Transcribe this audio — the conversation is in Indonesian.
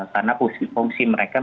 karena fungsi mereka menjadi